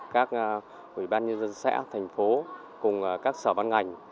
các ủy ban nhân dân xã thành phố cùng các sở ban ngành